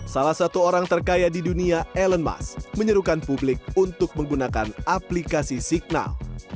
salah satu orang terkaya di dunia elon musk menyerukan publik untuk menggunakan aplikasi signal